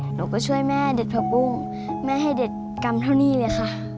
หนูก็ช่วยแม่เด็ดผักบุ้งแม่ให้เด็ดกรรมเท่านี้เลยค่ะ